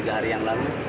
sudah tiga hari yang lalu